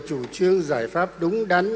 chủ trương giải pháp đúng đắn